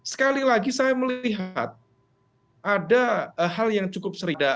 sekali lagi saya melihat ada hal yang cukup serida